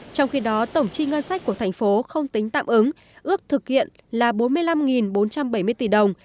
trong khi đó tổng chi ngân sách của thành phố không tính tạm ứng ước thực hiện là bốn mươi năm bốn trăm bảy mươi tỷ đồng